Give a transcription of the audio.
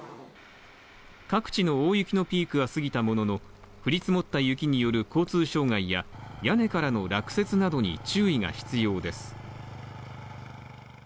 各地の大雪のピークは過ぎたものの降り積もった雪による交通障害や屋根からの落雪などに注意が必要です。